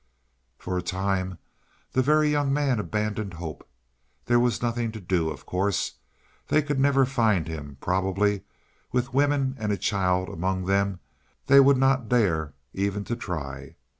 For a time the Very Young Man abandoned hope. There was nothing to do, of course. They could never find him probably, with women and a child among them they would not dare even to try.